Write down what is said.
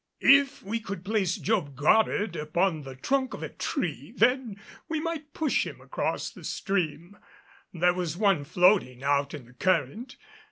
If we could place Job Goddard upon the trunk of a tree, then we might push him across the stream; there was one floating out in the current.